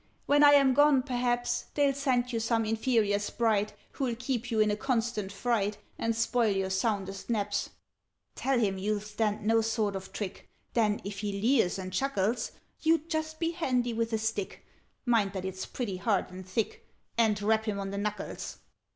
When I am gone, perhaps They'll send you some inferior Sprite, Who'll keep you in a constant fright And spoil your soundest naps. "Tell him you'll stand no sort of trick; Then, if he leers and chuckles, You just be handy with a stick (Mind that it's pretty hard and thick) And rap him on the knuckles!